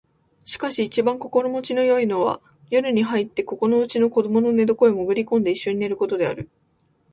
しかし一番心持ちの好いのは夜に入ってここのうちの子供の寝床へもぐり込んで一緒に寝る事である